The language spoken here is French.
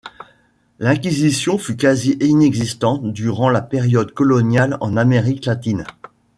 L'Inquisition fut quasi inexistante durant la période coloniale en Amérique latine.